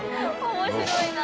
面白いな。